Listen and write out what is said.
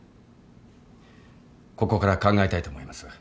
ここから考えたいと思います。